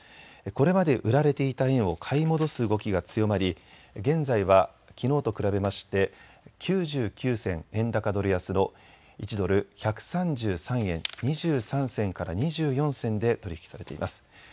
これまで売られていた円を買い戻す動きが強まり現在はきのうと比べまして９９銭円高ドル安の１ドル１３３円２３銭から２４銭で取り引きされています。